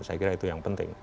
saya kira itu yang penting